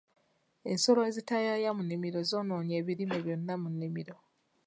Ensolo ezitaayaayiza mu nnimiro zoonoonye ebirime byonna mu nnimiro.